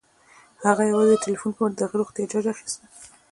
هغه یوازې د ټيليفون په مټ د هغې روغتيا جاج اخيسته